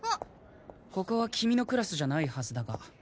ここはキミのクラスじゃないはずだが。